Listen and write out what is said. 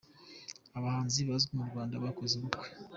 Abahanzi bazwi mu Rwanda bakoze ubukwe.